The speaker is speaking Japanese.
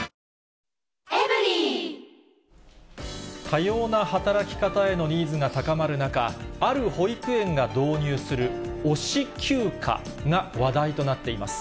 多様な働き方へのニーズが高まる中、ある保育園が導入する推し休暇が話題となっています。